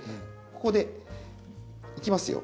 ここでいきますよ。